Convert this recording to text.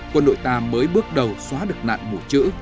quân đội ta mới bước đầu xóa được nạn mũ trữ